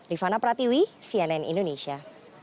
rifana pratiwi cnn indonesia